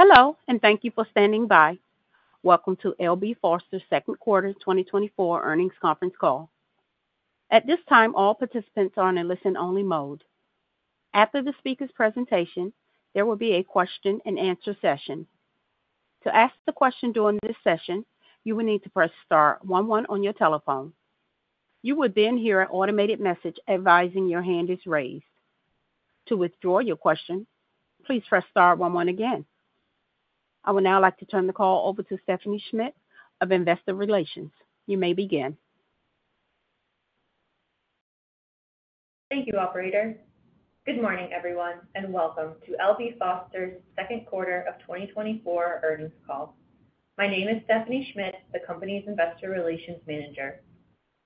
Hello, and thank you for standing by. Welcome to L.B. Foster's second quarter 2024 earnings conference call. At this time, all participants are in listen-only mode. After the speaker's presentation, there will be a question-and-answer session. To ask the question during this session, you will need to press star one one on your telephone. You will then hear an automated message advising your hand is raised. To withdraw your question, please press star one one again. I would now like to turn the call over to Stephanie Schmidt of Investor Relations. You may begin. Thank you, operator. Good morning, everyone, and welcome to L.B. Foster's second quarter of 2024 earnings call. My name is Stephanie Schmidt, the company's Investor Relations Manager.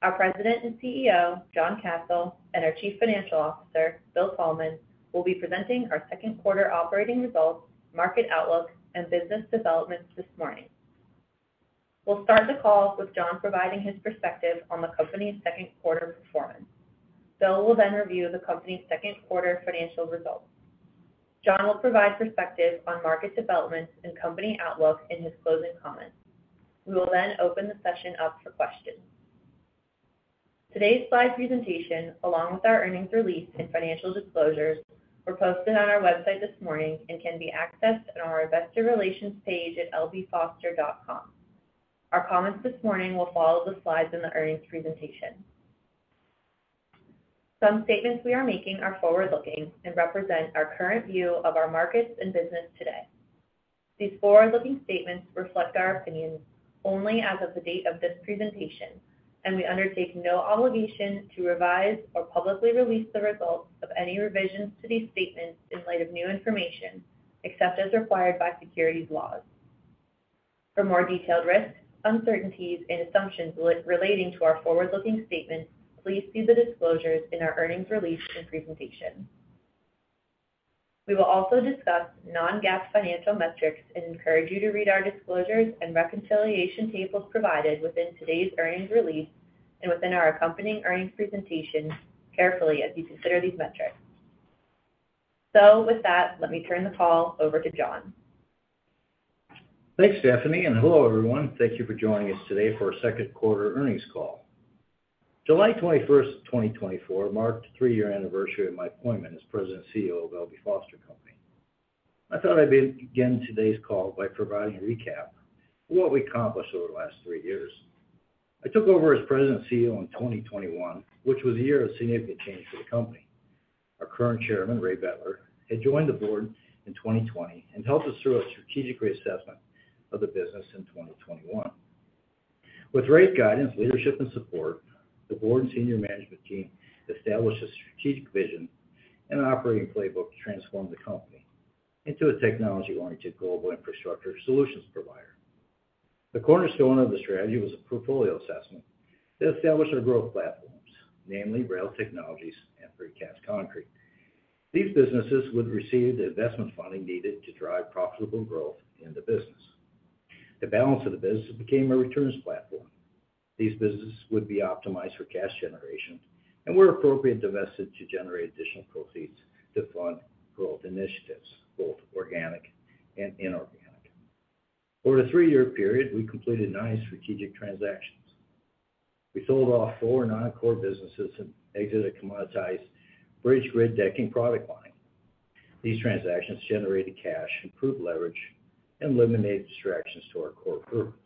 Our President and CEO, John Kasel, and our Chief Financial Officer, Bill Thalman, will be presenting our second quarter operating results, market outlook, and business developments this morning. We'll start the call with John providing his perspective on the company's second quarter performance. Bill will then review the company's second quarter financial results. John will provide perspective on market developments and company outlook in his closing comments. We will then open the session up for questions. Today's slide presentation, along with our earnings release and financial disclosures, were posted on our website this morning and can be accessed on our Investor Relations page at lbfoster.com. Our comments this morning will follow the slides in the earnings presentation. Some statements we are making are forward-looking and represent our current view of our markets and business today. These forward-looking statements reflect our opinions only as of the date of this presentation, and we undertake no obligation to revise or publicly release the results of any revisions to these statements in light of new information, except as required by securities laws. For more detailed risks, uncertainties, and assumptions relating to our forward-looking statements, please see the disclosures in our earnings release and presentation. We will also discuss non-GAAP financial metrics and encourage you to read our disclosures and reconciliation tables provided within today's earnings release and within our accompanying earnings presentation carefully as you consider these metrics. With that, let me turn the call over to John. Thanks, Stephanie, and hello, everyone. Thank you for joining us today for our second quarter earnings call. July 21st, 2024, marked the three-year anniversary of my appointment as President and CEO of L.B. Foster Company. I thought I'd begin today's call by providing a recap of what we accomplished over the last three years. I took over as President and CEO in 2021, which was a year of significant change for the company. Our current chairman, Ray Betler, had joined the board in 2020 and helped us through a strategic reassessment of the business in 2021. With Ray's guidance, leadership, and support, the board and senior management team established a strategic vision and an operating playbook to transform the company into a technology-oriented global infrastructure solutions provider. The cornerstone of the strategy was a portfolio assessment to establish our growth platforms, namely, Rail Technologies and Precast Concrete. These businesses would receive the investment funding needed to drive profitable growth in the business. The balance of the business became a returns platform. These businesses would be optimized for cash generation and, where appropriate, divested to generate additional proceeds to fund growth initiatives, both organic and inorganic. Over a three-year period, we completed nine strategic transactions. We sold off four non-core businesses and exited a commoditized bridge grid deck product line. These transactions generated cash, improved leverage, and eliminated distractions to our core groups.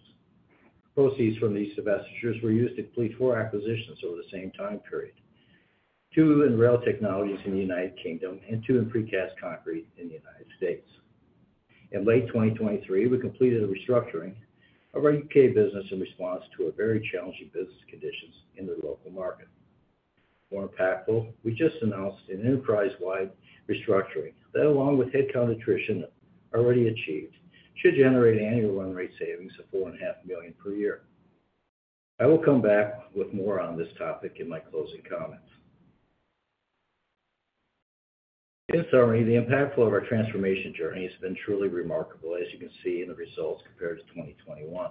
Proceeds from these divestitures were used to complete four acquisitions over the same time period, two in Rail Technologies in the United Kingdom and two in Precast Concrete in the United States. In late 2023, we completed a restructuring of our UK business in response to a very challenging business conditions in the local market. More impactful, we just announced an enterprise-wide restructuring that, along with headcount attrition already achieved, should generate annual run rate savings of $4.5 million per year. I will come back with more on this topic in my closing comments. In summary, the impact flow of our transformation journey has been truly remarkable, as you can see in the results compared to 2021.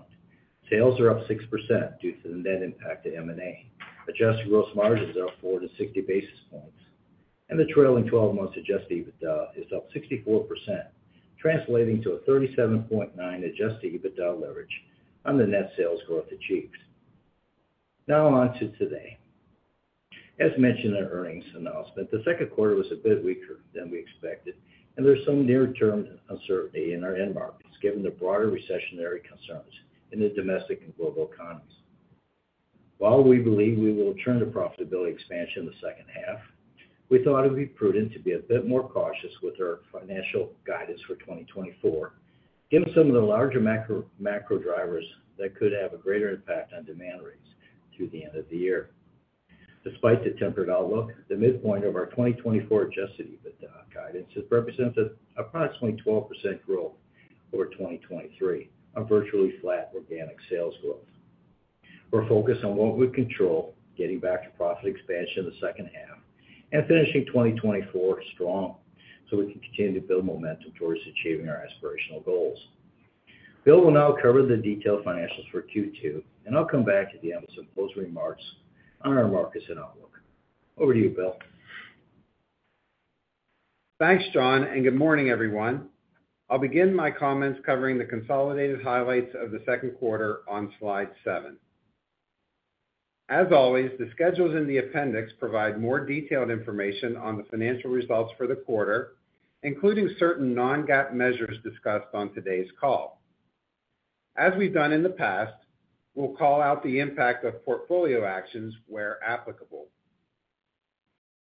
Sales are up 6% due to the net impact of M&A. Adjusted gross margins are up 40-60 basis points, and the trailing twelve months Adjusted EBITDA is up 64%, translating to a 37.9% adjusted EBITDA leverage on the net sales growth achieved. Now, on to today. As mentioned in our earnings announcement, the second quarter was a bit weaker than we expected, and there's some near-term uncertainty in our end markets, given the broader recessionary concerns in the domestic and global economies. While we believe we will return to profitability expansion in the second half, we thought it would be prudent to be a bit more cautious with our financial guidance for 2024, given some of the larger macro, macro drivers that could have a greater impact on demand rates through the end of the year. Despite the tempered outlook, the midpoint of our 2024 Adjusted EBITDA guidance represents an approximately 12% growth over 2023, a virtually flat organic sales growth. We're focused on what we control, getting back to profit expansion in the second half and finishing 2024 strong, so we can continue to build momentum towards achieving our aspirational goals. Bill will now cover the detailed financials for Q2, and I'll come back at the end with some closing remarks on our markets and outlook. Over to you, Bill. Thanks, John, and good morning, everyone. I'll begin my comments covering the consolidated highlights of the second quarter on Slide seven. As always, the schedules in the appendix provide more detailed information on the financial results for the quarter, including certain non-GAAP measures discussed on today's call. As we've done in the past, we'll call out the impact of portfolio actions where applicable.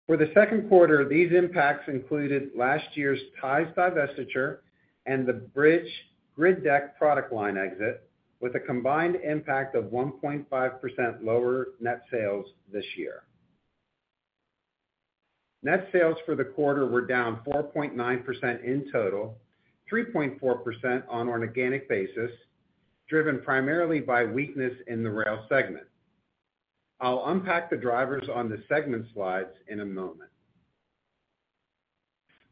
For the second quarter, these impacts included last year's Ties divestiture and the bridge grid deck product line exit, with a combined impact of 1.5% lower net sales this year. Net sales for the quarter were down 4.9% in total, 3.4% on an organic basis, driven primarily by weakness in the Rail segment. I'll unpack the drivers on the segment slides in a moment.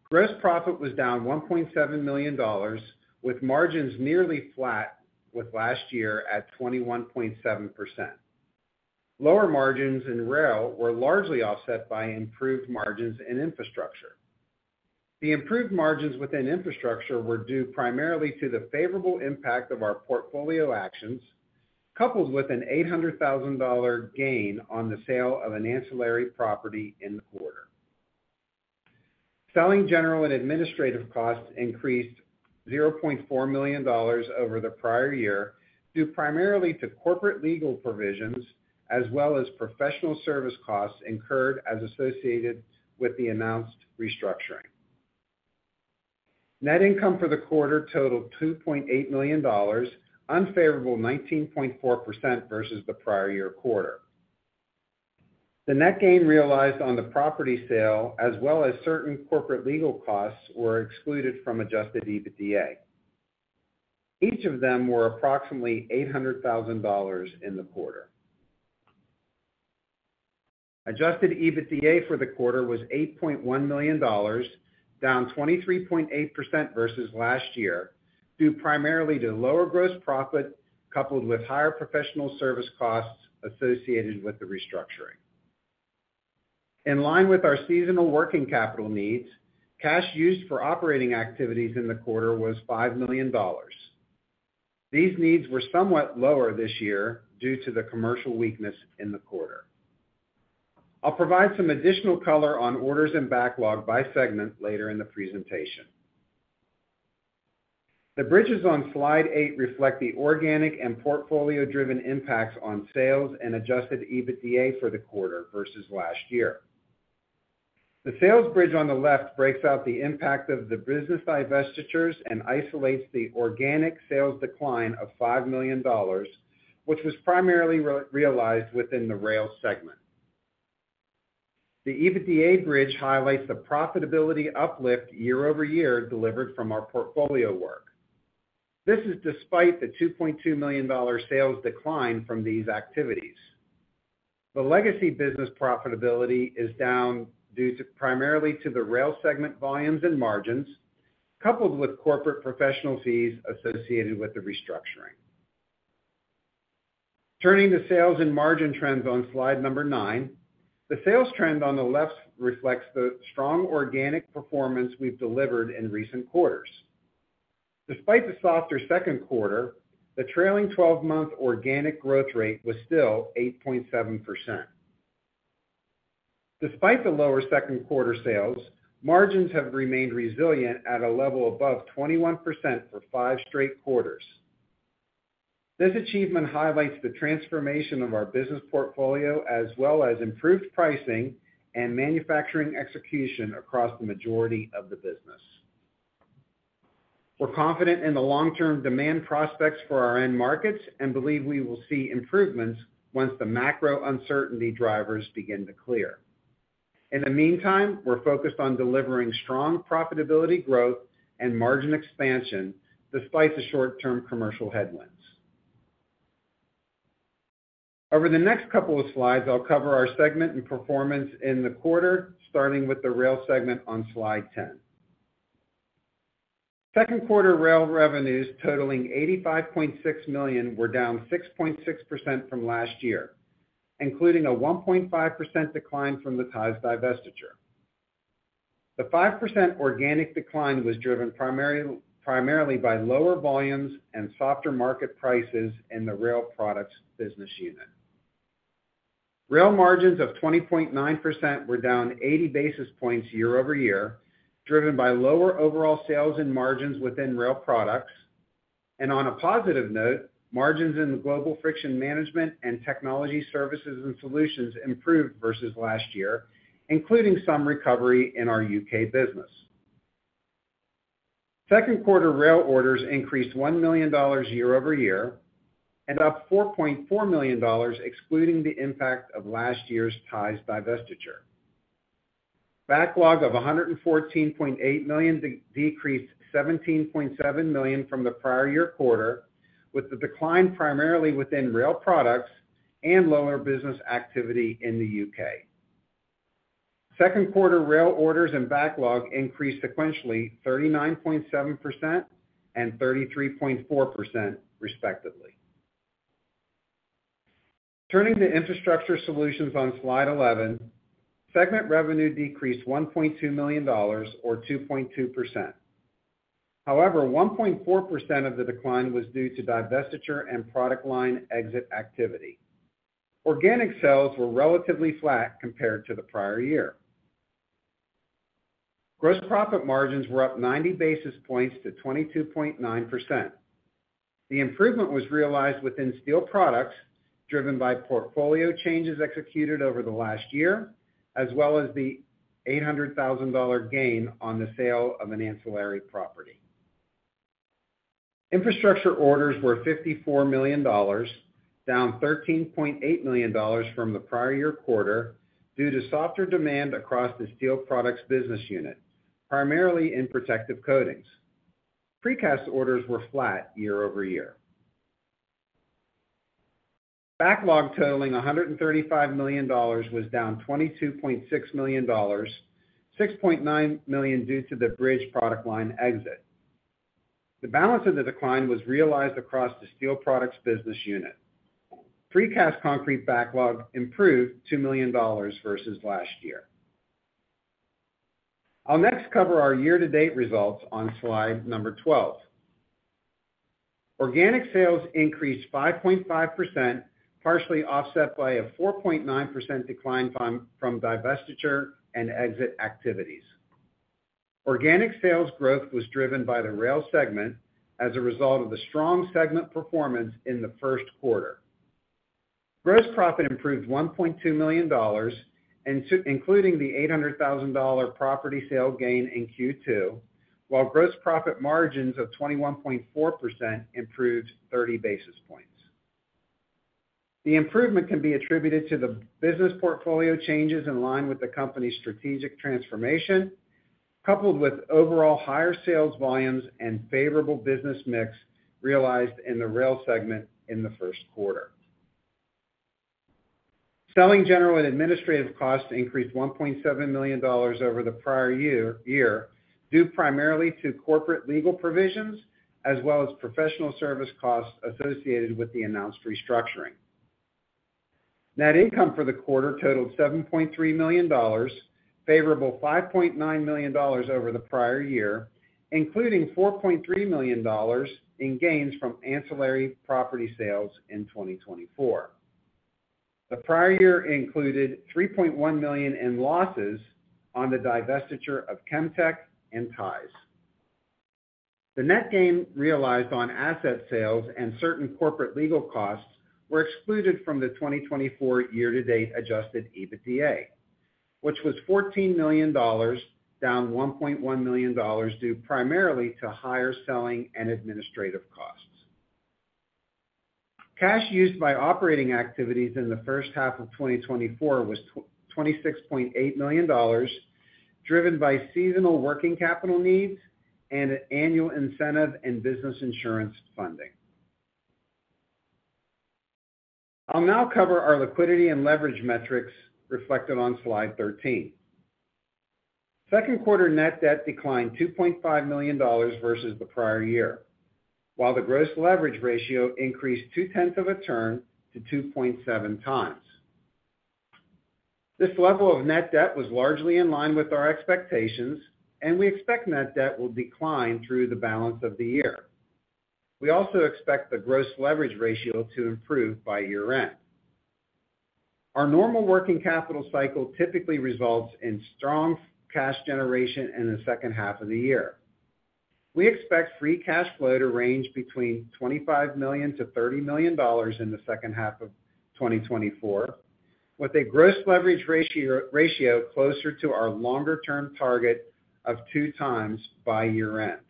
Gross profit was down $1.7 million, with margins nearly flat with last year at 21.7%. Lower margins in rail were largely offset by improved margins in infrastructure. The improved margins within infrastructure were due primarily to the favorable impact of our portfolio actions, coupled with an $800,000 gain on the sale of an ancillary property in the quarter. Selling general and administrative costs increased $0.4 million over the prior year, due primarily to corporate legal provisions as well as professional service costs incurred as associated with the announced restructuring. Net income for the quarter totaled $2.8 million, unfavorable 19.4% versus the prior year quarter. The net gain realized on the property sale, as well as certain corporate legal costs, were excluded from Adjusted EBITDA. Each of them were approximately $800,000 in the quarter. Adjusted EBITDA for the quarter was $8.1 million, down 23.8% versus last year, due primarily to lower gross profit, coupled with higher professional service costs associated with the restructuring. In line with our seasonal working capital needs, cash used for operating activities in the quarter was $5 million. These needs were somewhat lower this year due to the commercial weakness in the quarter. I'll provide some additional color on orders and backlog by segment later in the presentation. The bridges on Slide eight reflect the organic and portfolio-driven impacts on sales and adjusted EBITDA for the quarter versus last year. The sales bridge on the left breaks out the impact of the business divestitures and isolates the organic sales decline of $5 million, which was primarily realized within the Rail segment. The EBITDA bridge highlights the profitability uplift year-over-year delivered from our portfolio work. This is despite the $2.2 million sales decline from these activities. The legacy business profitability is down due primarily to the Rail segment volumes and margins, coupled with corporate professional fees associated with the restructuring. Turning to sales and margin trends on slide number 9, the sales trend on the left reflects the strong organic performance we've delivered in recent quarters. Despite the softer second quarter, the trailing twelve-month organic growth rate was still 8.7%. Despite the lower second quarter sales, margins have remained resilient at a level above 21% for five straight quarters. This achievement highlights the transformation of our business portfolio, as well as improved pricing and manufacturing execution across the majority of the business. We're confident in the long-term demand prospects for our end markets and believe we will see improvements once the macro uncertainty drivers begin to clear. In the meantime, we're focused on delivering strong profitability growth and margin expansion despite the short-term commercial headwinds. Over the next couple of slides, I'll cover our segment and performance in the quarter, starting with the Rail segment on Slide 10. Second quarter rail revenues totaling $85.6 million were down 6.6% from last year, including a 1.5% decline from the Ties divestiture. The 5% organic decline was driven primarily by lower volumes and softer market prices in the Rail Products business unit. Rail margins of 20.9% were down 80 basis points year-over-year, driven by lower overall sales and margins within Rail Products. On a positive note, margins in the Global Friction Management and Technology Services and Solutions improved versus last year, including some recovery in our U.K. business. Second quarter rail orders increased $1 million year-over-year and up $4.4 million, excluding the impact of last year's Ties divestiture. Backlog of $114.8 million decreased $17.7 million from the prior year quarter, with the decline primarily within Rail Products and lower business activity in the U.K. Second quarter rail orders and backlog increased sequentially 39.7% and 33.4%, respectively. Turning to Infrastructure Solutions on slide 11, segment revenue decreased $1.2 million, or 2.2%. However, 1.4% of the decline was due to divestiture and product line exit activity. Organic sales were relatively flat compared to the prior year. Gross profit margins were up 90 basis points to 22.9%. The improvement was realized within Steel Products, driven by portfolio changes executed over the last year, as well as the $800,000 gain on the sale of an ancillary property. Infrastructure orders were $54 million, down $13.8 million from the prior year quarter due to softer demand across the Steel Products business unit, primarily in Protective Coatings. Precast orders were flat year over year. Backlog totaling $135 million was down $22.6 million, $6.9 million due to the bridge product line exit. The balance of the decline was realized across the Steel Products business unit. Precast Concrete backlog improved $2 million versus last year. I'll next cover our year-to-date results on slide number 12. Organic sales increased 5.5%, partially offset by a 4.9% decline from divestiture and exit activities. Organic sales growth was driven by the Rail segment as a result of the strong segment performance in the first quarter. Gross profit improved $1.2 million, including the $800,000 property sale gain in Q2, while gross profit margins of 21.4% improved 30 basis points. The improvement can be attributed to the business portfolio changes in line with the company's strategic transformation, coupled with overall higher sales volumes and favorable business mix realized in the Rail segment in the first quarter. Selling general and administrative costs increased $1.7 million over the prior year due primarily to corporate legal provisions as well as professional service costs associated with the announced restructuring. Net income for the quarter totaled $7.3 million, favorable $5.9 million over the prior year, including $4.3 million in gains from ancillary property sales in 2024. The prior year included $3.1 million in losses on the divestiture of Chemtec and Ties. The net gain realized on asset sales and certain corporate legal costs were excluded from the 2024 year-to-date Adjusted EBITDA, which was $14 million, down $1.1 million, due primarily to higher selling and administrative costs. Cash used by operating activities in the first half of 2024 was $26.8 million, driven by seasonal working capital needs and annual incentive and business insurance funding. I'll now cover our liquidity and leverage metrics reflected on slide 13. Second quarter net debt declined $2.5 million versus the prior year, while the gross leverage ratio increased 0.2 of a turn to 2.7x. This level of net debt was largely in line with our expectations, and we expect net debt will decline through the balance of the year. We also expect the gross leverage ratio to improve by year-end. Our normal working capital cycle typically results in strong cash generation in the second half of the year. We expect free cash flow to range between $25 million-$30 million in the second half of 2024, with a gross leverage ratio closer to our longer-term target of 2x by year-end.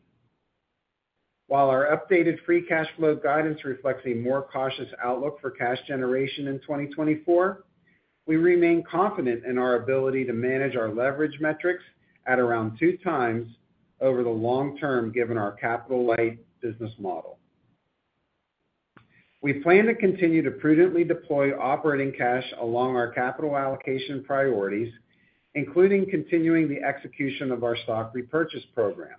While our updated free cash flow guidance reflects a more cautious outlook for cash generation in 2024, we remain confident in our ability to manage our leverage metrics at around 2x over the long term, given our capital-light business model. We plan to continue to prudently deploy operating cash along our capital allocation priorities, including continuing the execution of our stock repurchase program.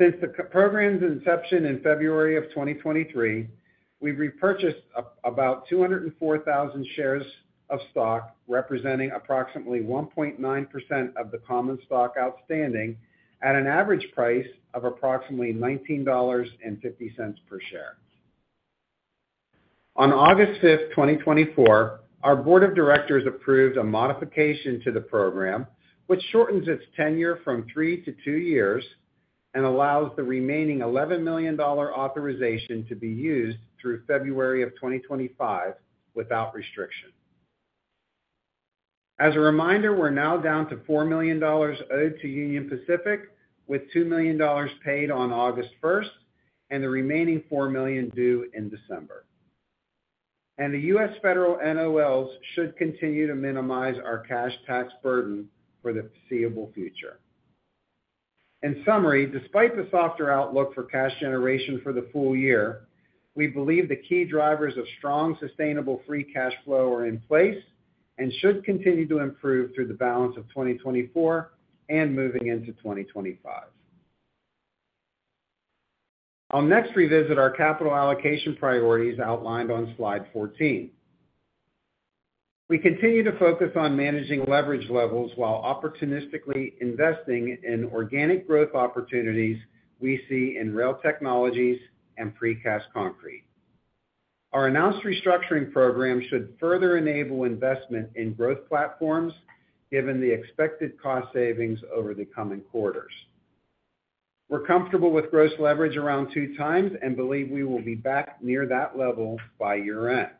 Since the program's inception in February of 2023, we've repurchased about 204,000 shares of stock, representing approximately 1.9% of the common stock outstanding at an average price of approximately $19.50 per share. On August 5th, 2024, our board of directors approved a modification to the program, which shortens its tenure from 3 to 2 years and allows the remaining $11 million authorization to be used through February 2025 without restriction. As a reminder, we're now down to $4 million owed to Union Pacific, with $2 million paid on August 1st and the remaining $4 million due in December. The U.S. federal NOLs should continue to minimize our cash tax burden for the foreseeable future. In summary, despite the softer outlook for cash generation for the full year, we believe the key drivers of strong, sustainable free cash flow are in place and should continue to improve through the balance of 2024 and moving into 2025. I'll next revisit our capital allocation priorities outlined on slide 14. We continue to focus on managing leverage levels while opportunistically investing in organic growth opportunities we see in Rail Technologies and Precast Concrete. Our announced restructuring program should further enable investment in growth platforms, given the expected cost savings over the coming quarters. We're comfortable with gross leverage around 2x and believe we will be back near that level by year-end.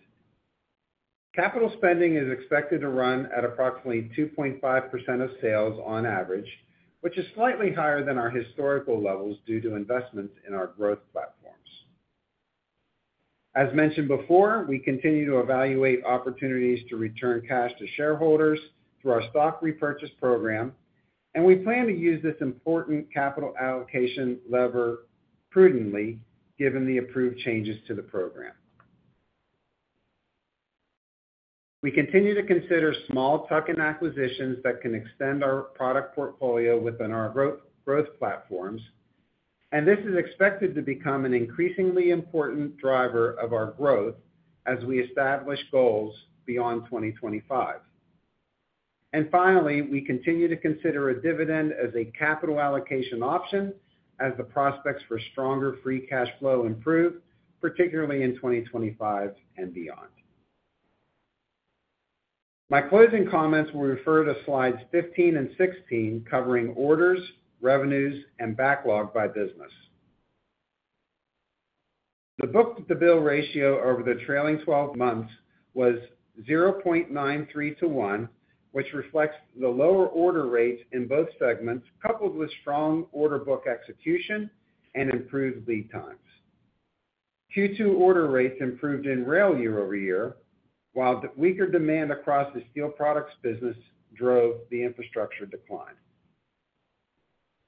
Capital spending is expected to run at approximately 2.5% of sales on average, which is slightly higher than our historical levels due to investments in our growth platforms. As mentioned before, we continue to evaluate opportunities to return cash to shareholders through our stock repurchase program, and we plan to use this important capital allocation lever prudently, given the approved changes to the program. We continue to consider small tuck-in acquisitions that can extend our product portfolio within our growth, growth platforms, and this is expected to become an increasingly important driver of our growth as we establish goals beyond 2025. And finally, we continue to consider a dividend as a capital allocation option as the prospects for stronger free cash flow improve, particularly in 2025 and beyond. My closing comments will refer to slides 15 and 16, covering orders, revenues, and backlog by business. The book-to-bill ratio over the trailing twelve months was 0.93:1, which reflects the lower order rates in both segments, coupled with strong order book execution and improved lead times. Q2 order rates improved in rail year-over-year, while the weaker demand across the Steel Products business drove the infrastructure decline.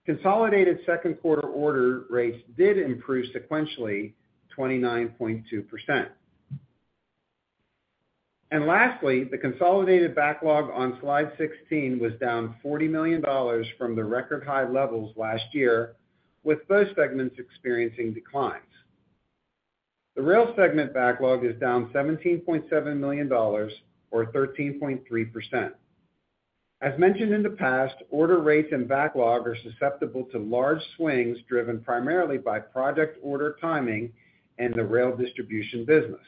Consolidated second quarter order rates did improve sequentially, 29.2%. Lastly, the consolidated backlog on slide 16 was down $40 million from the record-high levels last year, with both segments experiencing declines. The Rail segment backlog is down $17.7 million, or 13.3%. As mentioned in the past, order rates and backlog are susceptible to large swings, driven primarily by project order timing and the rail distribution business.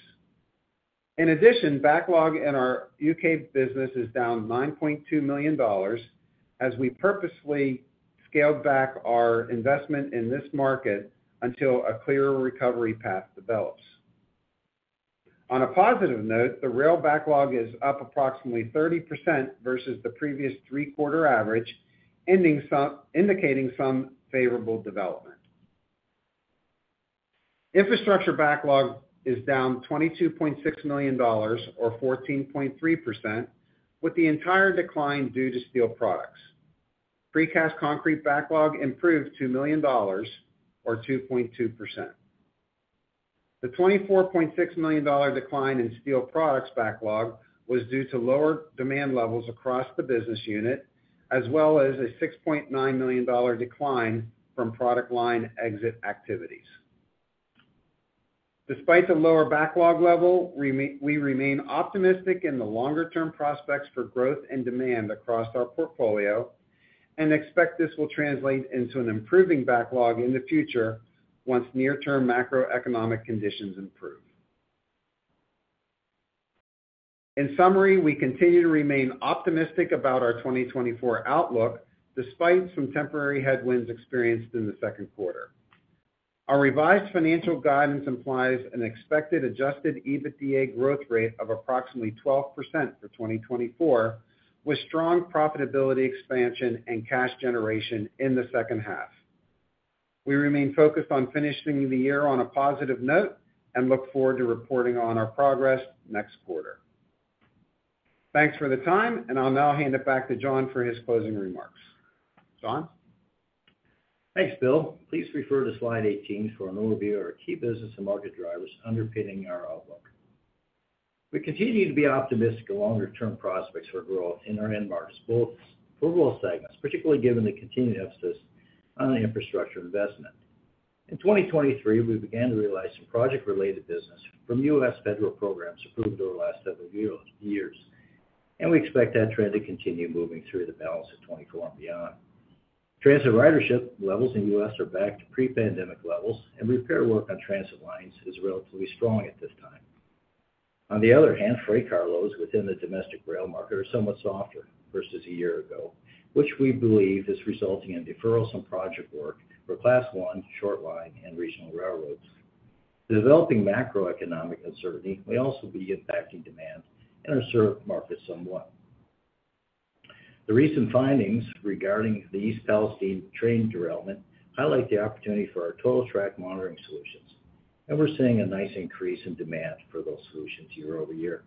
In addition, backlog in our U.K. business is down $9.2 million, as we purposely scaled back our investment in this market until a clearer recovery path develops. On a positive note, the rail backlog is up approximately 30% versus the previous three-quarter average, indicating some favorable development. Infrastructure backlog is down $22.6 million, or 14.3%, with the entire decline due to Steel Products. Precast Concrete backlog improved $2 million or 2.2%. The $24.6 million decline in Steel Products backlog was due to lower demand levels across the business unit, as well as a $6.9 million decline from product line exit activities. Despite the lower backlog level, we remain optimistic in the longer-term prospects for growth and demand across our portfolio, and expect this will translate into an improving backlog in the future once near-term macroeconomic conditions improve. In summary, we continue to remain optimistic about our 2024 outlook, despite some temporary headwinds experienced in the second quarter. Our revised financial guidance implies an expected Adjusted EBITDA growth rate of approximately 12% for 2024, with strong profitability, expansion, and cash generation in the second half. We remain focused on finishing the year on a positive note and look forward to reporting on our progress next quarter. Thanks for the time, and I'll now hand it back to John for his closing remarks. John? Thanks, Bill. Please refer to slide 18 for an overview of our key business and market drivers underpinning our outlook. We continue to be optimistic of longer-term prospects for growth in our end markets, both for both segments, particularly given the continued emphasis on infrastructure investment. In 2023, we began to realize some project-related business from U.S. federal programs approved over the last several years, years, and we expect that trend to continue moving through the balance of 2024 and beyond. Transit ridership levels in the U.S. are back to pre-pandemic levels, and repair work on transit lines is relatively strong at this time. On the other hand, freight car loads within the domestic rail market are somewhat softer versus a year ago, which we believe is resulting in deferrals on project work for Class I, short line, and regional railroads. The developing macroeconomic uncertainty may also be impacting demand in our served markets somewhat. The recent findings regarding the East Palestine train derailment highlight the opportunity for our Total Track Monitoring solutions... and we're seeing a nice increase in demand for those solutions year-over-year.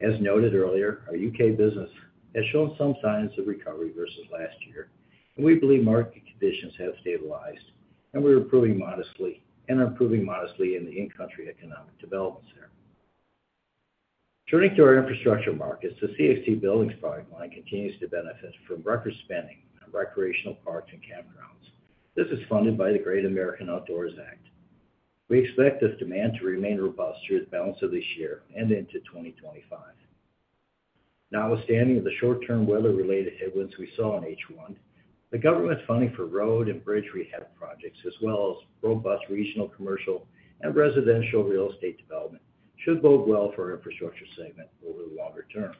As noted earlier, our U.K. business has shown some signs of recovery versus last year, and we believe market conditions have stabilized, and we're improving modestly, and are improving modestly in the in-country economic development center. Turning to our infrastructure markets, the CXT Buildings product line continues to benefit from record spending on recreational parks and campgrounds. This is funded by the Great American Outdoors Act. We expect this demand to remain robust through the balance of this year and into 2025. Notwithstanding the short-term weather-related headwinds we saw in H1, the government's funding for road and bridge rehab projects, as well as robust regional, commercial, and residential real estate development, should bode well for our infrastructure segment over the longer term.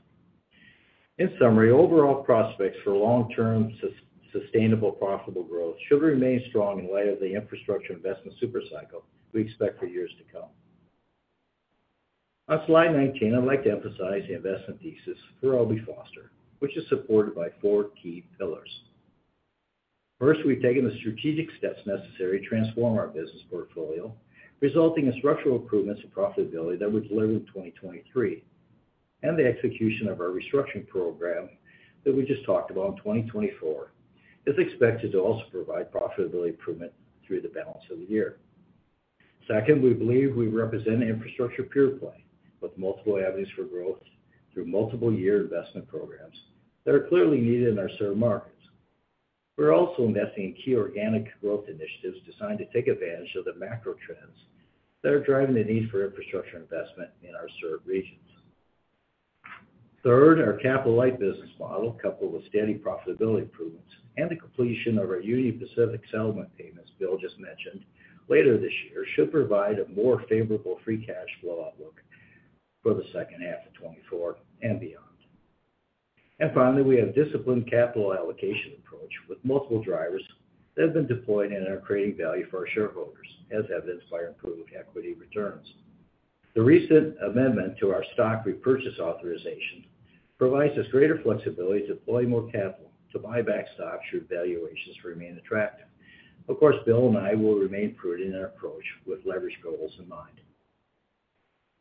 In summary, overall prospects for long-term sustainable, profitable growth should remain strong in light of the infrastructure investment super cycle we expect for years to come. On slide 19, I'd like to emphasize the investment thesis for L.B. Foster, which is supported by four key pillars. First, we've taken the strategic steps necessary to transform our business portfolio, resulting in structural improvements in profitability that we delivered in 2023, and the execution of our restructuring program that we just talked about in 2024, is expected to also provide profitability improvement through the balance of the year. Second, we believe we represent an infrastructure pure play, with multiple avenues for growth through multiple year investment programs that are clearly needed in our served markets. We're also investing in key organic growth initiatives designed to take advantage of the macro trends that are driving the need for infrastructure investment in our served regions. Third, our capital-light business model, coupled with steady profitability improvements and the completion of our Union Pacific settlement payments, Bill just mentioned, later this year, should provide a more favorable free cash flow outlook for the second half of 2024 and beyond. And finally, we have a disciplined capital allocation approach with multiple drivers that have been deployed and are creating value for our shareholders, as evidenced by our improved equity returns. The recent amendment to our stock repurchase authorization provides us greater flexibility to deploy more capital to buy back stock should valuations remain attractive. Of course, Bill and I will remain prudent in our approach with leverage goals in mind.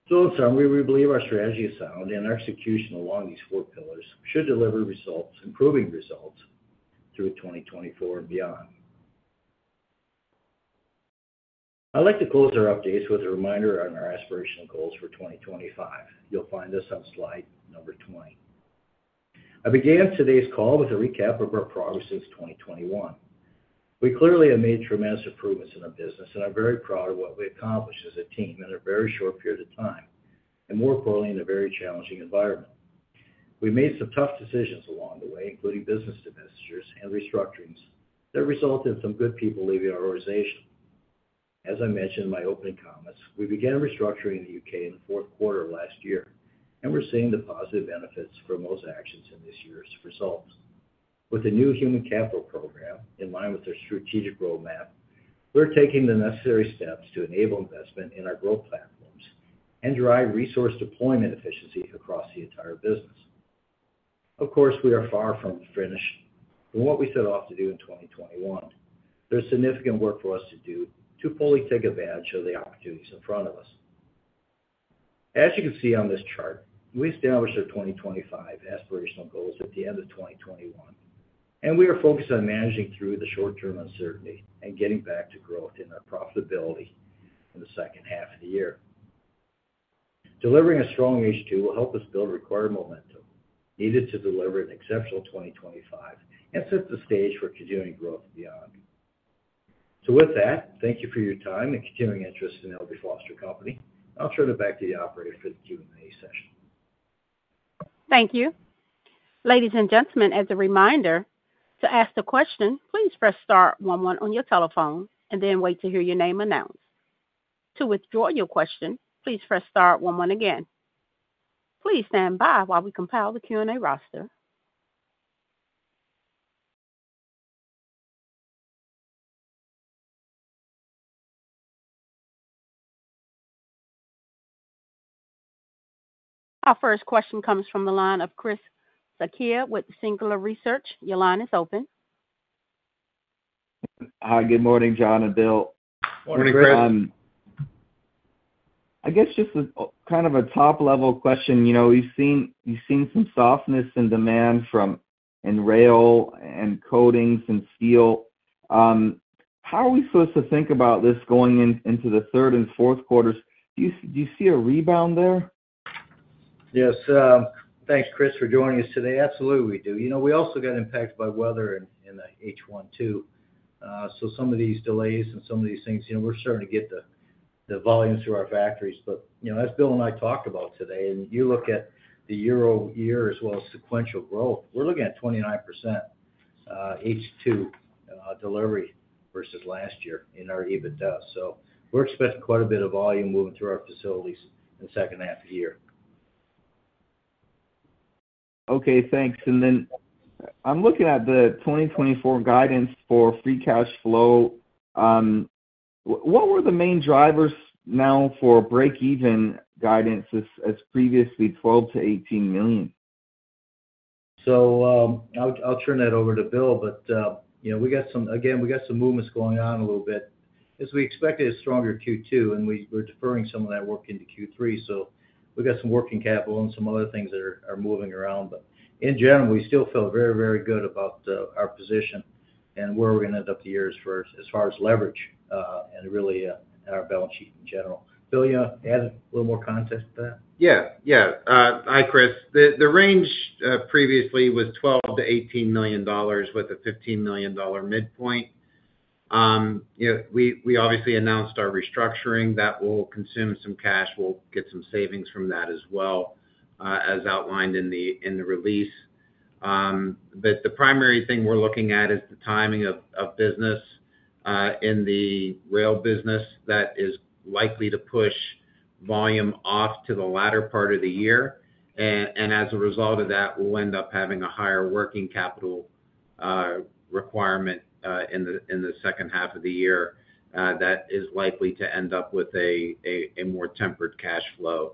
So in summary, we believe our strategy is sound, and our execution along these four pillars should deliver results, improving results through 2024 and beyond. I'd like to close our updates with a reminder on our aspirational goals for 2025. You'll find this on slide number 20. I began today's call with a recap of our progress since 2021. We clearly have made tremendous improvements in our business and are very proud of what we accomplished as a team in a very short period of time, and more importantly, in a very challenging environment. We made some tough decisions along the way, including business divestitures and restructurings, that resulted in some good people leaving our organization. As I mentioned in my opening comments, we began restructuring the U.K. in the fourth quarter of last year, and we're seeing the positive benefits from those actions in this year's results. With the new human capital program, in line with their strategic roadmap, we're taking the necessary steps to enable investment in our growth platforms and drive resource deployment efficiency across the entire business. Of course, we are far from finished with what we set off to do in 2021. There's significant work for us to do to fully take advantage of the opportunities in front of us. As you can see on this chart, we established our 2025 aspirational goals at the end of 2021, and we are focused on managing through the short-term uncertainty and getting back to growth in our profitability in the second half of the year. Delivering a strong H2 will help us build required momentum needed to deliver an exceptional 2025 and set the stage for continuing growth beyond. So with that, thank you for your time and continuing interest in L.B. Foster Company. I'll turn it back to the operator for the Q&A session. Thank you. Ladies and gentlemen, as a reminder, to ask a question, please press star one one on your telephone and then wait to hear your name announced. To withdraw your question, please press star one one again. Please stand by while we compile the Q&A roster. Our first question comes from the line of Chris Sakai with Singular Research. Your line is open. Hi, good morning, John and Bill. Morning, Chris. Good morning. I guess just a kind of a top-level question. You know, we've seen, you've seen some softness in demand in rail and coatings and steel. How are we supposed to think about this going into the third and fourth quarters? Do you see a rebound there? Yes. Thanks, Chris, for joining us today. Absolutely, we do. You know, we also got impacted by weather in the H1 too. So some of these delays and some of these things, you know, we're starting to get the volume through our factories. But, you know, as Bill and I talked about today, and you look at the year-over-year as well as sequential growth, we're looking at 29% H2 delivery versus last year in our EBITDA. So we're expecting quite a bit of volume moving through our facilities in the second half of the year. Okay, thanks. And then I'm looking at the 2024 guidance for free cash flow. What were the main drivers now for break-even guidance as previously $12 million-$18 million?... So, I'll turn that over to Bill. But, you know, we got some—again, we got some movements going on a little bit. As we expected, a stronger Q2, and we're deferring some of that work into Q3, so we've got some working capital and some other things that are moving around. But in general, we still feel very, very good about our position and where we're going to end up the year as far as leverage, and really, and our balance sheet in general. Bill, you want to add a little more context to that? Yeah, yeah. Hi, Chris. The range previously was $12 million-$18 million, with a $15 million midpoint. You know, we obviously announced our restructuring. That will consume some cash. We'll get some savings from that as well, as outlined in the release. But the primary thing we're looking at is the timing of business in the rail business that is likely to push volume off to the latter part of the year. And as a result of that, we'll end up having a higher working capital requirement in the second half of the year that is likely to end up with a more tempered cash flow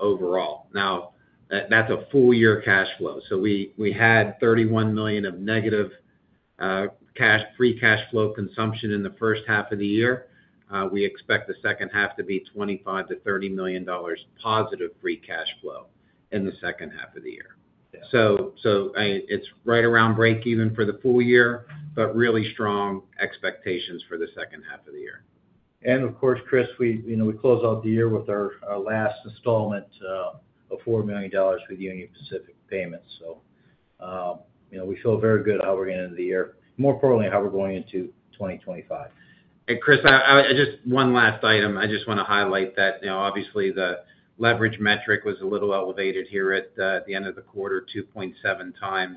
overall. Now, that's a full year cash flow. So we had $31 million of negative free cash flow consumption in the first half of the year. We expect the second half to be $25 million-$30 million positive free cash flow in the second half of the year. Yeah. It's right around breakeven for the full year, but really strong expectations for the second half of the year. And of course, Chris, we, you know, we close out the year with our, our last installment of $4 million with Union Pacific payments. So, you know, we feel very good how we're going to end the year, more importantly, how we're going into 2025. And Chris, just one last item. I just want to highlight that, you know, obviously, the leverage metric was a little elevated here at the end of the quarter, 2.7x.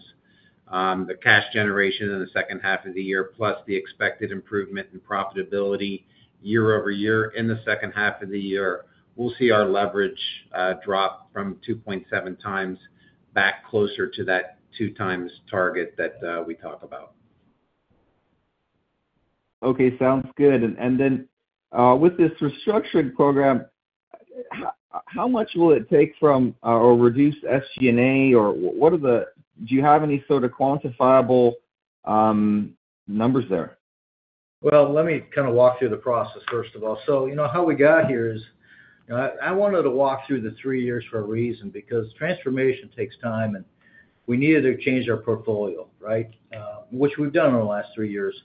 The cash generation in the second half of the year, plus the expected improvement in profitability year-over-year in the second half of the year, we'll see our leverage drop from 2.7x back closer to that 2x target that we talk about. Okay, sounds good. And then, with this restructuring program, how much will it take from, or reduce SG&A, or what are the... Do you have any sort of quantifiable numbers there? Well, let me kind of walk through the process, first of all. So, you know, how we got here is, you know, I wanted to walk through the three years for a reason, because transformation takes time, and we needed to change our portfolio, right? Which we've done over the last three years.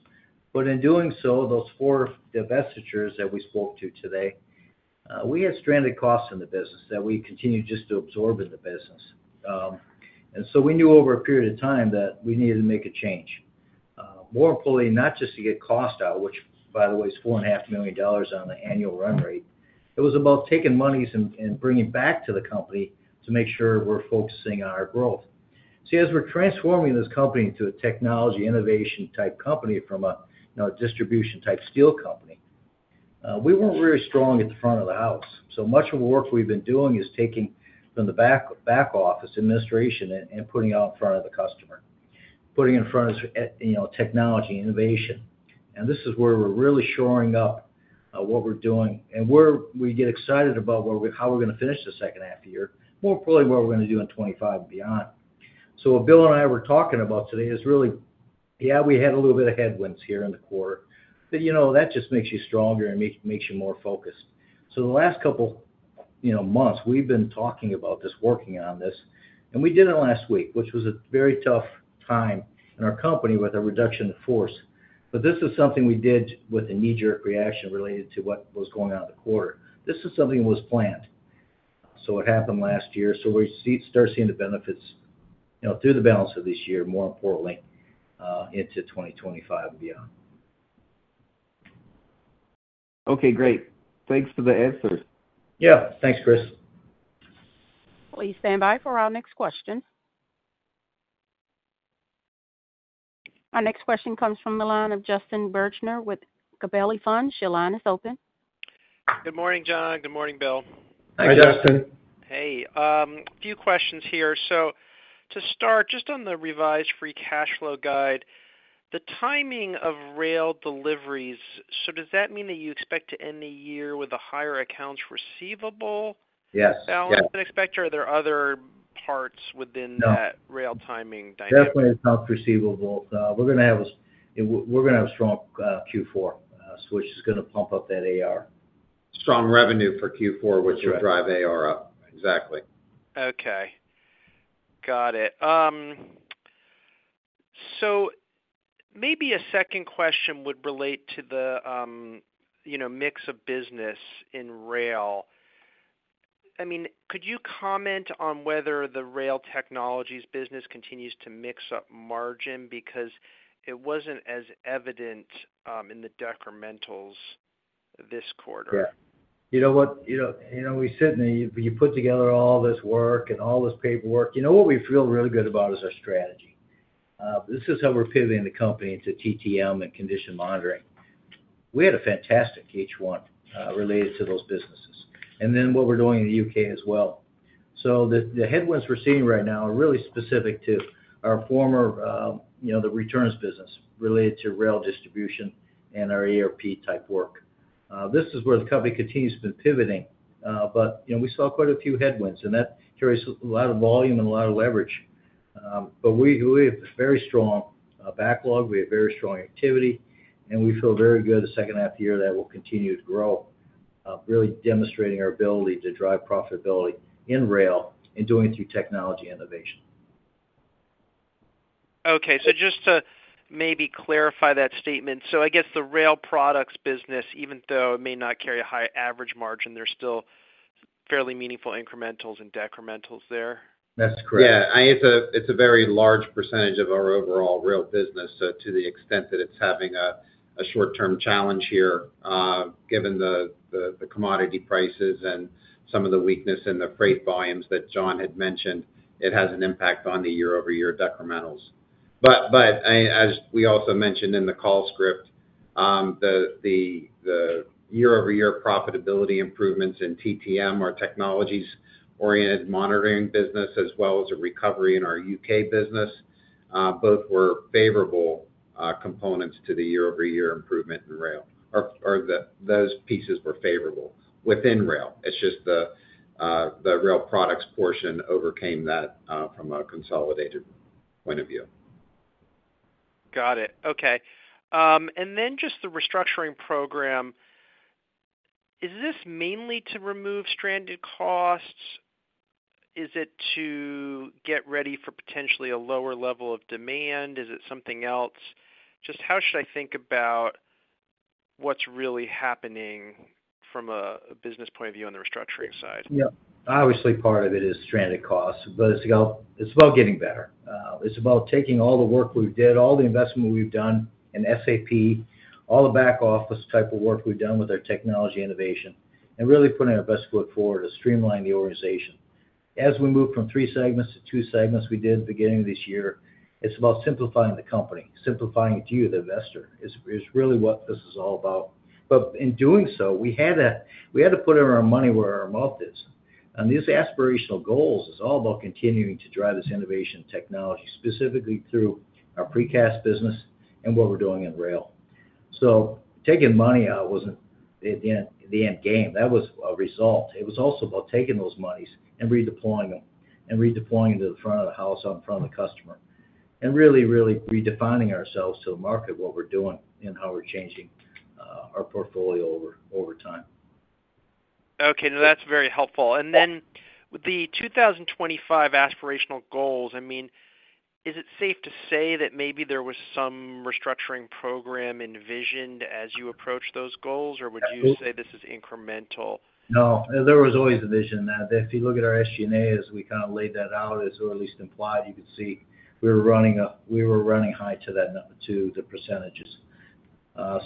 But in doing so, those four divestitures that we spoke to today, we had stranded costs in the business that we continued just to absorb in the business. And so we knew over a period of time that we needed to make a change. More importantly, not just to get cost out, which, by the way, is $4.5 million on the annual run rate. It was about taking monies and bringing back to the company to make sure we're focusing on our growth. See, as we're transforming this company to a technology innovation type company from a, you know, a distribution-type steel company, we weren't very strong at the front of the house. So much of the work we've been doing is taking from the back office administration and putting it out in front of the customer, putting it in front of, you know, technology, innovation. And this is where we're really shoring up what we're doing and where we get excited about where we're, how we're going to finish the second half of the year, more importantly, what we're going to do in 25 and beyond. So what Bill and I were talking about today is really, yeah, we had a little bit of headwinds here in the quarter, but, you know, that just makes you stronger and makes you more focused. So in the last couple, you know, months, we've been talking about this, working on this, and we did it last week, which was a very tough time in our company with a reduction in force. But this is something we did with a knee-jerk reaction related to what was going on in the quarter. This is something that was planned, so it happened last year. So we're start seeing the benefits, you know, through the balance of this year, more importantly, into 2025 and beyond. Okay, great. Thanks for the answers. Yeah. Thanks, Chris. Please stand by for our next question. Our next question comes from the line of Justin Bergner with Gabelli Funds. Your line is open. Good morning, John. Good morning, Bill. Hi, Justin. Hi, Justin. Hey, a few questions here. To start, just on the revised Free Cash Flow guide, the timing of rail deliveries, so does that mean that you expect to end the year with a higher accounts receivable- Yes. Yes. Balance, and expect. Are there other parts within- No that rail timing dynamic? Definitely accounts receivable. We're gonna have a strong Q4, so which is gonna pump up that AR. Strong revenue for Q4- Correct... which will drive AR up. Exactly. Okay. Got it. So maybe a second question would relate to the, you know, mix of business in Rail. I mean, could you comment on whether the Rail Technologies business continues to mix up margin? Because it wasn't as evident in the decrementals this quarter. Yeah. You know what? You know, you know, we sit and you put together all this work and all this paperwork. You know, what we feel really good about is our strategy. This is how we're pivoting the company into TTM and condition monitoring. We had a fantastic H1 related to those businesses, and then what we're doing in the UK as well. So the headwinds we're seeing right now are really specific to our former, you know, the returns business related to rail distribution and our ARP-type work. This is where the company continues to pivoting. But, you know, we saw quite a few headwinds, and that carries a lot of volume and a lot of leverage. But we, we have a very strong backlog, we have very strong activity, and we feel very good the second half of the year that will continue to grow, really demonstrating our ability to drive profitability in rail and doing it through technology innovation. Okay. So just to maybe clarify that statement, so I guess the Rail Products business, even though it may not carry a high average margin, there's still fairly meaningful incrementals and decrementals there? That's correct. Yeah, it's a very large percentage of our overall rail business. So to the extent that it's having a short-term challenge here, given the commodity prices and some of the weakness in the freight volumes that John had mentioned, it has an impact on the year-over-year decrementals. But, as we also mentioned in the call script, the year-over-year profitability improvements in TTM, our technologies-oriented monitoring business, as well as a recovery in our UK business, both were favorable components to the year-over-year improvement in rail, or those pieces were favorable within rail. It's just the Rail Products portion overcame that, from a consolidated point of view. Got it. Okay. And then just the restructuring program, is this mainly to remove stranded costs? Is it to get ready for potentially a lower level of demand? Is it something else? Just how should I think about what's really happening from a business point of view on the restructuring side? Yeah. Obviously, part of it is stranded costs, but it's about getting better. It's about taking all the work we did, all the investment we've done in SAP, all the back office type of work we've done with our technology innovation, and really putting our best foot forward to streamline the organization. As we move from three segments to two segments we did at the beginning of this year, it's about simplifying the company, simplifying it to you, the investor, is really what this is all about. But in doing so, we had to put our money where our mouth is. And these aspirational goals is all about continuing to drive this innovation technology, specifically through our precast business and what we're doing in rail. So taking money out wasn't the end game. That was a result. It was also about taking those monies and redeploying them, and redeploying them to the front of the house, out in front of the customer, and really, really redefining ourselves to the market, what we're doing and how we're changing, our portfolio over, over time. Okay, no, that's very helpful. And then with the 2025 aspirational goals, I mean, is it safe to say that maybe there was some restructuring program envisioned as you approached those goals? Or would you say this is incremental? No, there was always a vision that if you look at our SG&A, as we kind of laid that out, as or at least implied, you could see we were running up, we were running high to that number, to the percentages.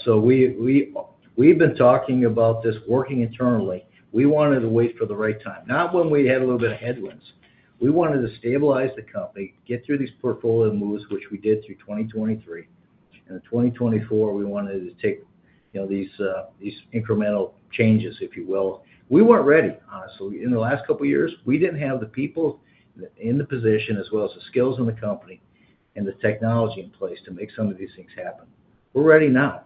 So we, we've been talking about this working internally. We wanted to wait for the right time, not when we had a little bit of headwinds. We wanted to stabilize the company, get through these portfolio moves, which we did through 2023. And in 2024, we wanted to take, you know, these incremental changes, if you will. We weren't ready, honestly. In the last couple of years, we didn't have the people in the position, as well as the skills in the company and the technology in place to make some of these things happen. We're ready now.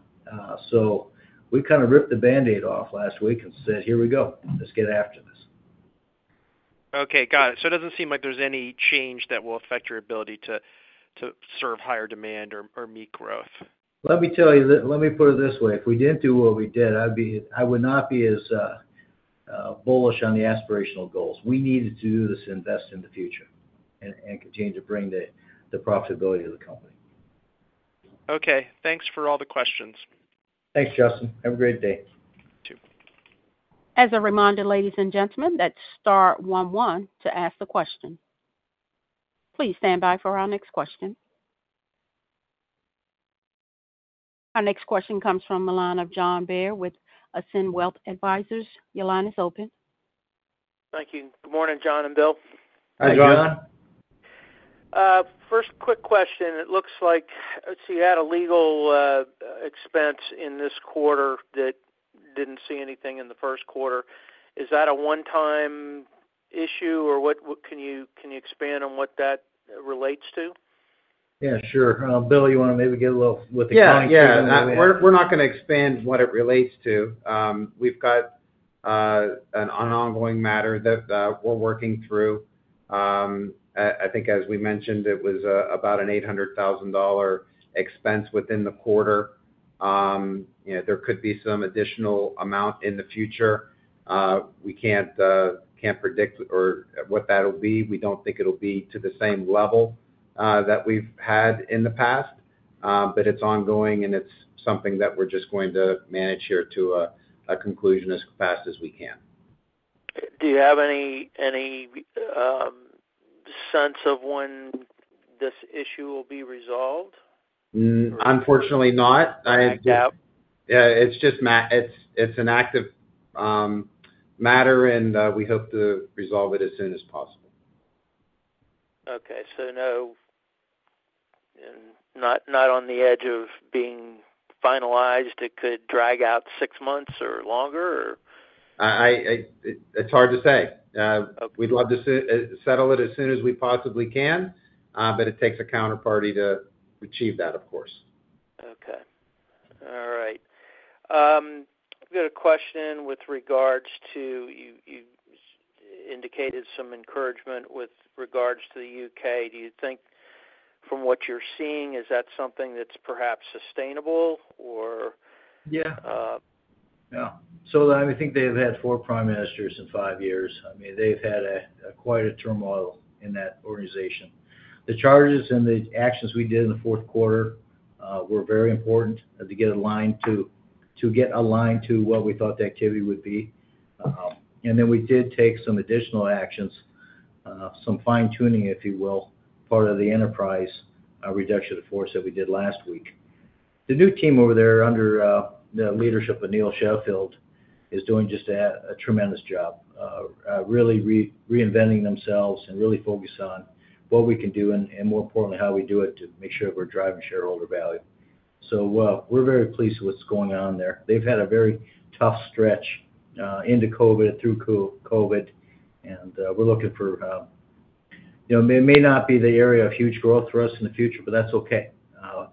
So we kind of ripped the Band-Aid off last week and said, "Here we go. Let's get after this. Okay, got it. So it doesn't seem like there's any change that will affect your ability to serve higher demand or meet growth? Let me tell you, let me put it this way, if we didn't do what we did, I'd be—I would not be as bullish on the aspirational goals. We needed to do this to invest in the future and continue to bring the profitability of the company. Okay, thanks for all the questions. Thanks, Justin. Have a great day. You, too. As a reminder, ladies and gentlemen, that's star 1 1 to ask the question. Please stand by for our next question. Our next question comes from the line of John Bair with Ascend Wealth Advisors. Your line is open. Thank you. Good morning, John and Bill. Hi, John. Hi, John. First quick question. It looks like... Let's see, you had a legal expense in this quarter that didn't see anything in the first quarter. Is that a one-time issue, or what can you expand on what that relates to? Yeah, sure. Bill, you want to maybe give a little with the clients- Yeah, yeah. We're, we're not going to expand what it relates to. We've got an ongoing matter that we're working through. I think as we mentioned, it was about an $800,000 expense within the quarter. You know, there could be some additional amount in the future. We can't, can't predict or what that'll be. We don't think it'll be to the same level that we've had in the past. But it's ongoing, and it's something that we're just going to manage here to a conclusion as fast as we can. Do you have any sense of when this issue will be resolved? Unfortunately not. Yeah, it's just an active matter, and we hope to resolve it as soon as possible. Okay. So no, not on the edge of being finalized. It could drag out six months or longer, or? It's hard to say. We'd love to settle it as soon as we possibly can, but it takes a counterparty to achieve that, of course. Okay. All right. I've got a question with regards to you, you indicated some encouragement with regards to the U.K. Do you think from what you're seeing, is that something that's perhaps sustainable, or- Yeah. Yeah. So I think they've had four prime ministers in five years. I mean, they've had quite a turmoil in that organization. The charges and the actions we did in the fourth quarter were very important to get aligned to, to get aligned to what we thought the activity would be. And then we did take some additional actions, some fine-tuning, if you will, part of the enterprise, a reduction of force that we did last week. The new team over there, under the leadership of Neil Sheffield, is doing just a tremendous job of really reinventing themselves and really focus on what we can do and, and more importantly, how we do it to make sure we're driving shareholder value. So, we're very pleased with what's going on there. They've had a very tough stretch into COVID, through COVID, and we're looking for... You know, it may not be the area of huge growth for us in the future, but that's okay.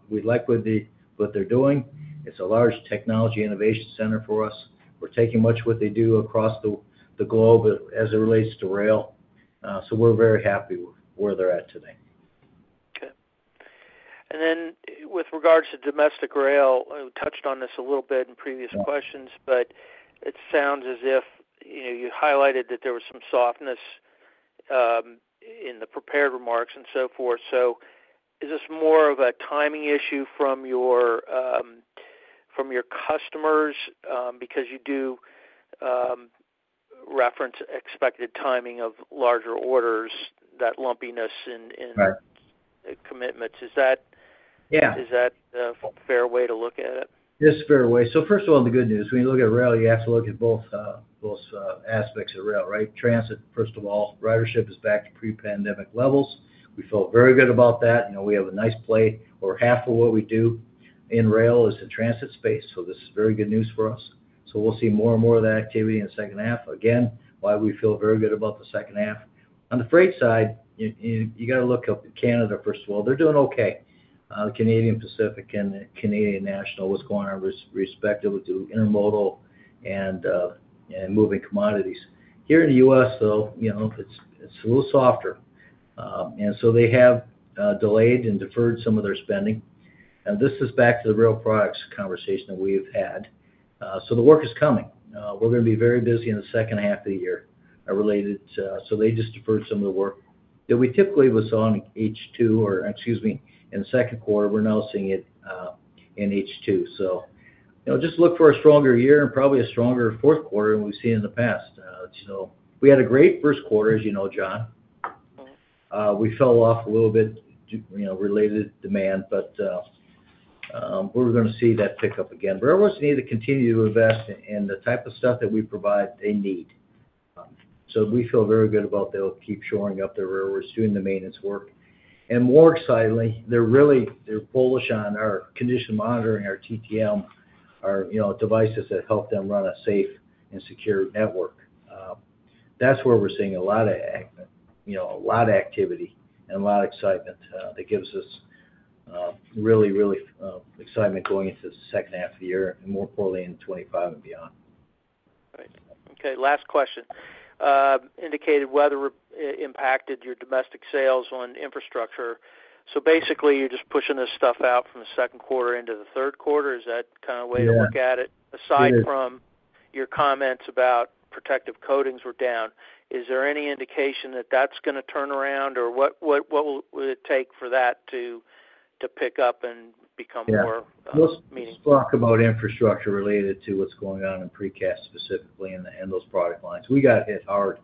We like what they're doing. It's a large technology innovation center for us. We're taking much of what they do across the globe as it relates to rail. So we're very happy where they're at today. Okay. And then with regards to domestic rail, I touched on this a little bit in previous questions, but it sounds as if, you know, you highlighted that there was some softness in the prepared remarks and so forth. So is this more of a timing issue from your customers? Because you do reference expected timing of larger orders, that lumpiness in, in- Right commitments. Is that- Yeah. Is that a fair way to look at it? It's a fair way. So first of all, the good news, when you look at rail, you have to look at both aspects of rail, right? Transit, first of all, ridership is back to pre-pandemic levels. We feel very good about that. You know, we have a nice play. Over half of what we do in rail is the transit space, so this is very good news for us. So we'll see more and more of that activity in the second half. Again, why we feel very good about the second half. On the freight side, you got to look up to Canada, first of all. They're doing okay. Canadian Pacific and Canadian National, what's going on, respectively, to intermodal and moving commodities. Here in the U.S., though, you know, it's a little softer. And so they have delayed and deferred some of their spending. And this is back to the Rail Products conversation that we've had. So the work is coming. We're gonna be very busy in the second half of the year, related to that. So they just deferred some of the work that we typically was on H2, or excuse me, in the second quarter, we're now seeing it in H2. So, you know, just look for a stronger year and probably a stronger fourth quarter than we've seen in the past. So we had a great first quarter, as you know, John. We fell off a little bit, you know, related demand, but, we're gonna see that pick up again. Railroads need to continue to invest in the type of stuff that we provide they need. So we feel very good about they'll keep showing up, the railroads, doing the maintenance work. And more excitingly, they're really bullish on our condition monitoring, our TTM, our, you know, devices that help them run a safe and secure network. That's where we're seeing a lot of activity and a lot of excitement that gives us really, really excitement going into the second half of the year and more importantly in 2025 and beyond. Great. Okay, last question. Inclement weather impacted your domestic sales on infrastructure. So basically, you're just pushing this stuff out from the second quarter into the third quarter. Is that kind of way to look at it? Yeah. Aside from your comments about Protective Coatings were down, is there any indication that that's gonna turn around, or what will it take for that to pick up and become more- Yeah -uh, meaningful? Let's talk about infrastructure related to what's going on in precast, specifically in those product lines. We got hit hard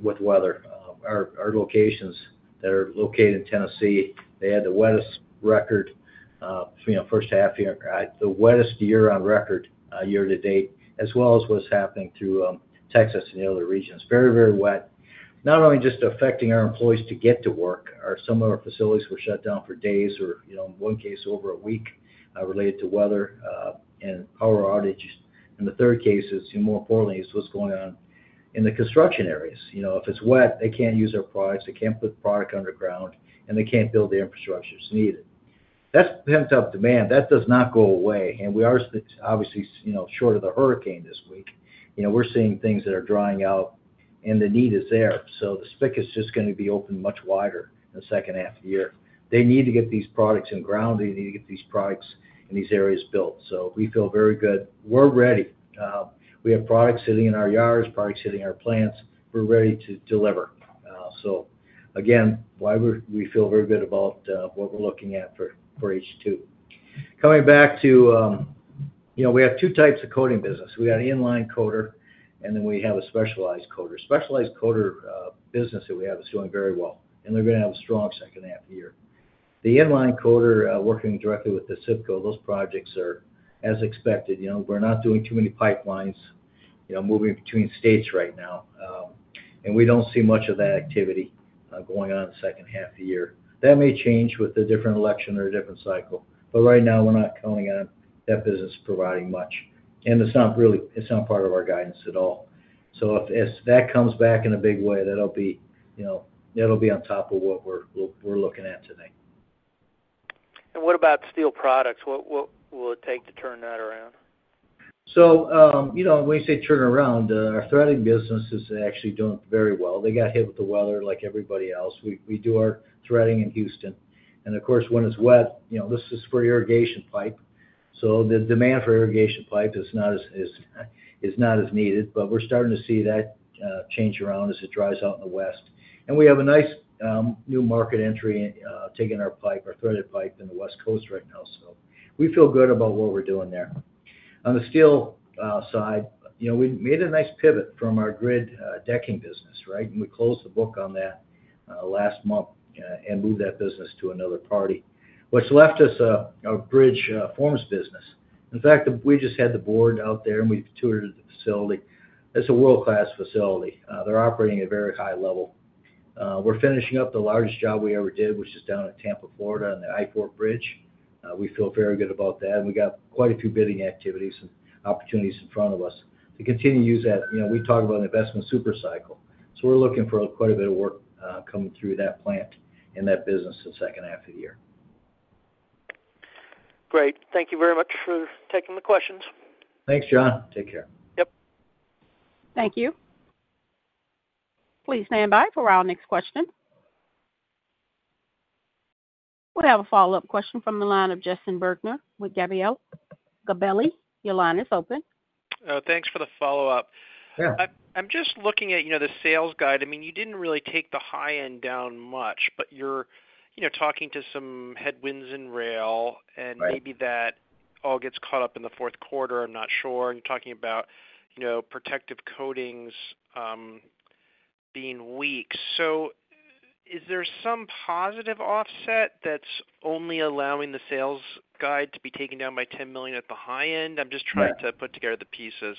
with weather. Our locations that are located in Tennessee, they had the wettest record, you know, first half year, the wettest year on record, year to date, as well as what's happening through Texas and the other regions. Very, very wet. Not only just affecting our employees to get to work, some of our facilities were shut down for days or, you know, in one case, over a week, related to weather, and power outages. And the third case is, more importantly, what's going on in the construction areas. You know, if it's wet, they can't use our products, they can't put the product underground, and they can't build the infrastructure that's needed. That's pent-up demand. That does not go away, and we are obviously, you know, short of the hurricane this week. You know, we're seeing things that are drying out, and the need is there. So the spike is just gonna be open much wider in the second half of the year. They need to get these products in the ground. They need to get these products in these areas built. So we feel very good. We're ready. We have products sitting in our yards, products sitting in our plants. We're ready to deliver. So again, why we, we feel very good about what we're looking at for H2. Coming back to, you know, we have two types of coating business. We got an in-line coater, and then we have a specialized coater. Specialized coater business that we have is doing very well, and they're gonna have a strong second half year. The in-line coater working directly with the IPSCO, those projects are as expected. You know, we're not doing too many pipelines, you know, moving between states right now... and we don't see much of that activity going on in the second half of the year. That may change with a different election or a different cycle, but right now, we're not counting on that business providing much, and it's not really, it's not part of our guidance at all. So if, as that comes back in a big way, that'll be, you know, that'll be on top of what we're, we're, we're looking at today. What about Steel Products? What will it take to turn that around? So, you know, when you say turn around, our threading business is actually doing very well. They got hit with the weather like everybody else. We do our threading in Houston, and of course, when it's wet, you know, this is for irrigation pipe, so the demand for irrigation pipe is not as needed. But we're starting to see that change around as it dries out in the West. And we have a nice new market entry taking our pipe, our threaded pipe in the West Coast right now, so we feel good about what we're doing there. On the steel side, you know, we made a nice pivot from our grid decking business, right? And we closed the book on that, last month, and moved that business to another party, which left us a, a bridge forms business. In fact, we just had the board out there, and we toured the facility. It's a world-class facility. They're operating at a very high level. We're finishing up the largest job we ever did, which is down in Tampa, Florida, on the I-4 Bridge. We feel very good about that, and we got quite a few bidding activities and opportunities in front of us to continue to use that. You know, we talk about an investment super cycle, so we're looking for quite a bit of work, coming through that plant and that business in the second half of the year. Great. Thank you very much for taking the questions. Thanks, John. Take care. Yep. Thank you. Please stand by for our next question. We have a follow-up question from the line of Justin Bergner with Gabelli Funds. Your line is open. Thanks for the follow-up. Yeah. I'm just looking at, you know, the sales guide. I mean, you didn't really take the high end down much, but you're, you know, talking to some headwinds in rail. Right. and maybe that all gets caught up in the fourth quarter, I'm not sure. And you're talking about, you know, Protective Coatings being weak. So is there some positive offset that's only allowing the sales guide to be taken down by $10 million at the high end? Yeah. I'm just trying to put together the pieces.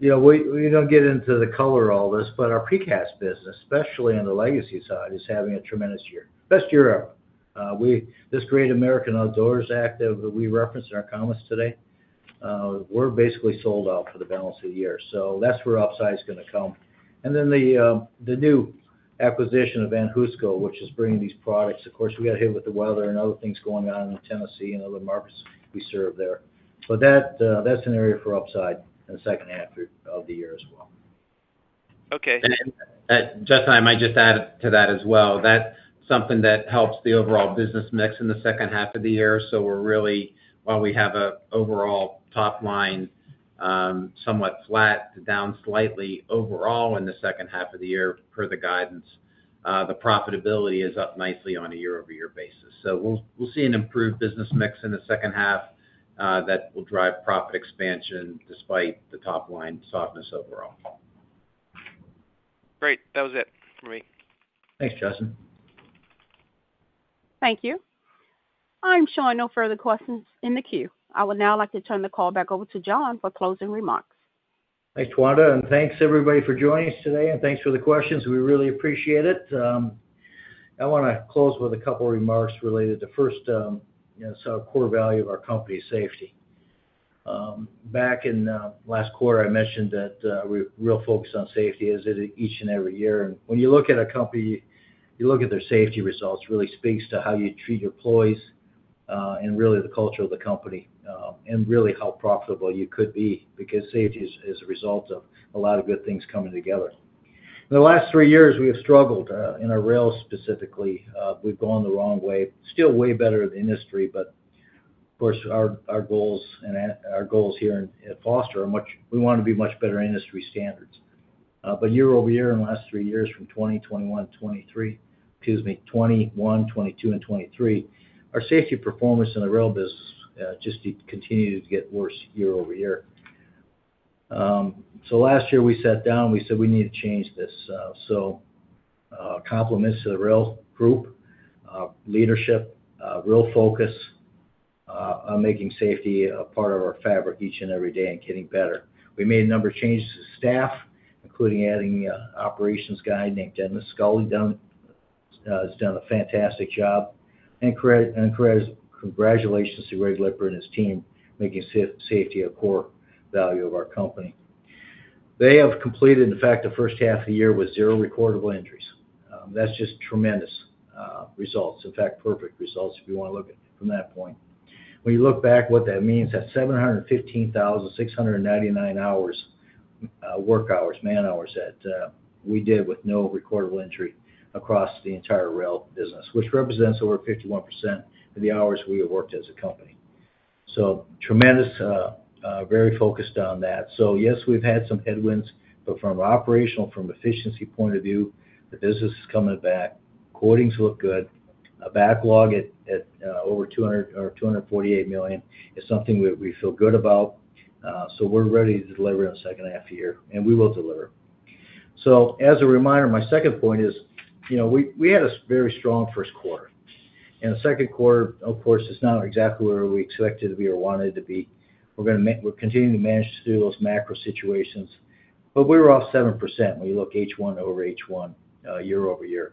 Yeah, we don't get into the color of all this, but our precast business, especially on the legacy side, is having a tremendous year. Best year ever. This Great American Outdoors Act that we referenced in our comments today, we're basically sold out for the balance of the year, so that's where upside is going to come. And then the new acquisition of VanHooseCo, which is bringing these products. Of course, we got hit with the weather and other things going on in Tennessee and other markets we serve there. But that's an area for upside in the second half of the year as well. Okay. And, Justin, I might just add to that as well, that's something that helps the overall business mix in the second half of the year. So we're really, while we have a overall top line, somewhat flat to down slightly overall in the second half of the year, per the guidance, the profitability is up nicely on a year-over-year basis. So we'll see an improved business mix in the second half, that will drive profit expansion despite the top-line softness overall. Great. That was it for me. Thanks, Justin. Thank you. I'm showing no further questions in the queue. I would now like to turn the call back over to John for closing remarks. Thanks, Twanda, and thanks, everybody, for joining us today, and thanks for the questions. We really appreciate it. I want to close with a couple of remarks related to, first, you know, so core value of our company, safety. Back in last quarter, I mentioned that we're real focused on safety, as in each and every year. When you look at a company, you look at their safety results, really speaks to how you treat your employees, and really the culture of the company, and really how profitable you could be, because safety is a result of a lot of good things coming together. In the last three years, we have struggled in our rail specifically, we've gone the wrong way. Still way better than industry, but of course, our goals here at Foster are much... We want to be much better industry standards. But year-over-year, in the last three years, from 2021, 2022, and 2023, our safety performance in the rail business just continued to get worse year-over-year. So last year we sat down, we said: We need to change this. So, compliments to the rail group leadership, real focus on making safety a part of our fabric each and every day and getting better. We made a number of changes to staff, including adding an operations guy named Dennis Scully who has done a fantastic job. And congratulations to Greg Lippard and his team, making safety a core value of our company. They have completed, in fact, the first half of the year with 0 recordable injuries. That's just tremendous results. In fact, perfect results, if you want to look at it from that point. When you look back, what that means, that 715,699 hours work hours, man hours, that we did with no recordable injury across the entire rail business, which represents over 51% of the hours we have worked as a company. So tremendous, very focused on that. So yes, we've had some headwinds, but from an operational, from efficiency point of view, the business is coming back. Quotings look good. A backlog at over $200 or $248 million is something we feel good about. So we're ready to deliver in the second half of the year, and we will deliver. So as a reminder, my second point is, you know, we, we had a very strong first quarter, and the second quarter, of course, is not exactly where we expected to be or wanted to be. We're gonna we're continuing to manage through those macro situations, but we were off 7% when you look H1 over H1, year-over-year.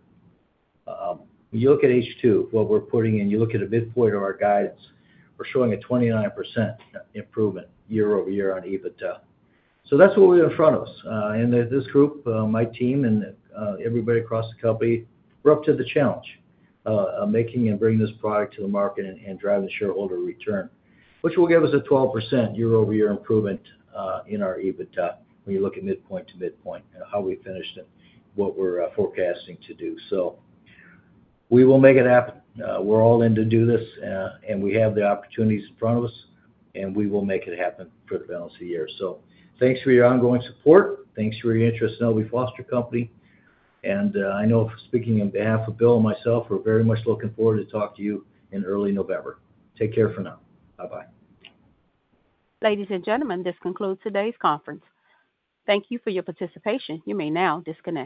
When you look at H2, what we're putting in, you look at the midpoint of our guidance, we're showing a 29% improvement year-over-year on EBITDA. So that's what we have in front of us, and this group, my team and everybody across the company, we're up to the challenge of making and bringing this product to the market and, and driving shareholder return, which will give us a 12% year-over-year improvement in our EBITDA, when you look at midpoint to midpoint, and how we finished it, what we're forecasting to do. So we will make it happen. We're all in to do this, and we have the opportunities in front of us, and we will make it happen for the balance of the year. So thanks for your ongoing support. Thanks for your interest in Foster Company. And I know speaking on behalf of Bill and myself, we're very much looking forward to talking to you in early November. Take care for now. Bye-bye. Ladies and gentlemen, this concludes today's conference. Thank you for your participation. You may now disconnect.